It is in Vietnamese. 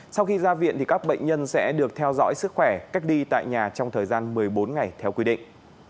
sau khi ra viện các bệnh nhân sẽ được theo dõi sức khỏe cách ly tại nhà trong thời gian một mươi bốn ngày theo quy định